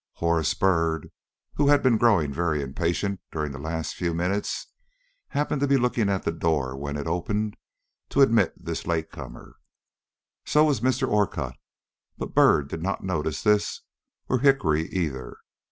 Horace Byrd, who had been growing very impatient during the last few minutes, happened to be looking at the door when it opened to admit this late comer. So was Mr. Orcutt. But Byrd did not notice this, or Hickory either.